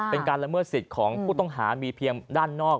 เป็นการละเมิดสิทธิ์ของผู้ต้องหามีเพียงด้านนอก